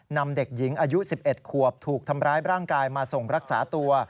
นำเด็กหญิงอายุ๑๑ขวบถูกทำร้ายร่างกายมาส่งรักษาตัว